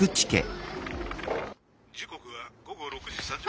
「時刻は午後６時３０分を」。